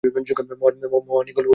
মহান ঈগল কী বোঝাতে চাইল?